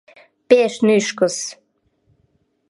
— Пеш нӱшкыс!